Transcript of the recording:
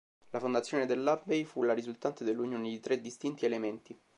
La fondazione dell'Abbey fu la risultante dell'unione di tre distinti elementi.